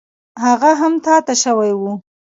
هغه هم تا ته شوی و.